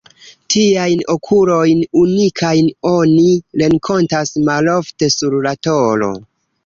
Tiajn okulojn, unikajn, oni renkontas malofte sur la tolo.